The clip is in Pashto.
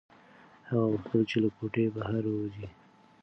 هغه غوښتل چې له کوټې بهر ووځي.